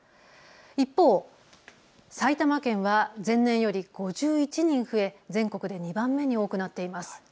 一方、埼玉県は前年より５１人増え、全国で２番目に多くなっています。